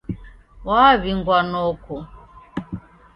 Waw'ingwa noko